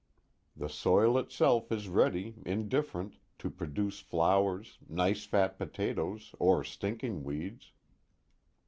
(_The soil itself is ready, indifferent, to produce flowers, nice fat potatoes, or stinking weeds.